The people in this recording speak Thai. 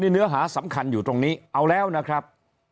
เนื้อหาสำคัญอยู่ตรงนี้เอาแล้วนะครับ